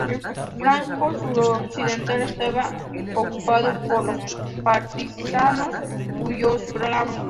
El flanco suroccidental estaba ocupado por los Partisanos yugoslavos.